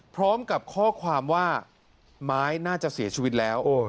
พร้อมกับข้อความว่าไม้น่าจะเสียชีวิตแล้ว